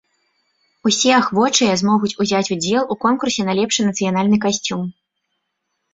Усе ахвочыя змогуць узяць удзел у конкурсе на лепшы нацыянальны касцюм.